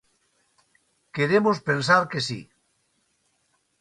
Queremos pensar que si.